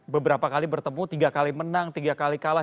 beberapa kali bertemu tiga kali menang tiga kali kalah